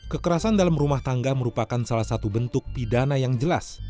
kekerasan dalam rumah tangga merupakan salah satu bentuk pidana yang jelas